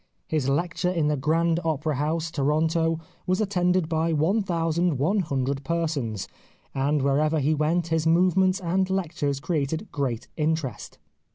His lecture in the Grand Opera House, Toronto, was attended by iioo persons, and wherever he went his movements and lectures created great interest."